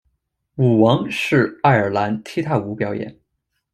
舞王是爱尔兰踢踏舞表演。